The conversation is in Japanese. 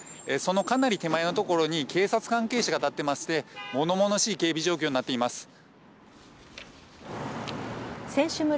そのかなり手前のところに警察関係者が立っていまして物々しい警備状況になっています。